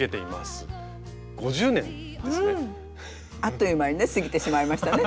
あっという間にね過ぎてしまいましたね。